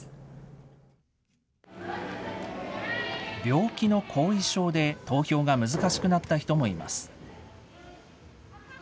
病気の後遺症で、投票が難しくなった人もいます。